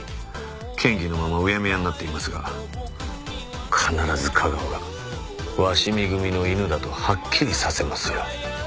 嫌疑のままうやむやになっていますが必ず架川が鷲見組の犬だとはっきりさせますよ。